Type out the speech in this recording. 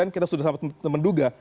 kita sudah sampai menduga